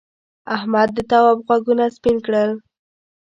احمد د تواب غوږونه سپین کړل.